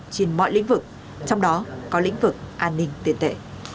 trên mọi lĩnh vực trong đó có lĩnh vực an ninh tiền tệ